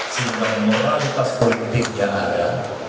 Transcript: sehingga moralitas politik yang ada